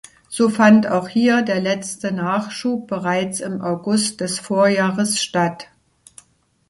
So fand auch hier der letzte Nachschub bereits im August des Vorjahres statt.